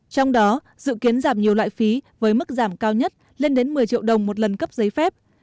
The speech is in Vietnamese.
trong đó dự kiến giảm nhiều loại phí với mức giảm cao nhất lên đến một mươi triệu đồng một lần cấp giấy phép